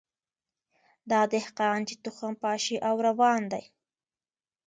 دا دهقان چي تخم پاشي او روان دی